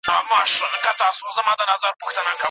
د کندهارپه صنعت کي د کارګرو رول څه دی؟